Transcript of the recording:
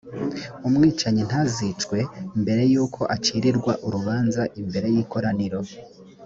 umwicanyi ntazicwe mbere yuko acirirwa urubanza imbere y’ikoraniro.